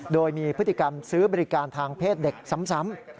โดยมีพฤติกรรมซื้อบริการทางเพศเด็กซ้ำ